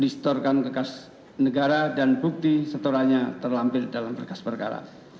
distorkan kekas negara dan bukti setoranya terlampir dalam bekas perkara